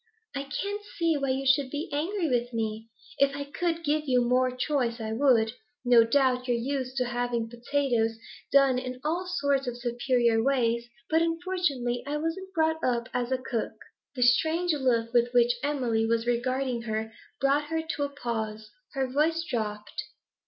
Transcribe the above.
'I can't see why you should be angry with me. If I could give you more choice I would. No doubt you're used to having potatoes done in all sorts of superior ways, but unfortunately I wasn't brought up as a cook ' The strange look with which Emily was regarding her brought her to a pause; her voice dropped.